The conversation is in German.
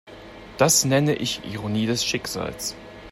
Das nenne ich Ironie des Schicksals.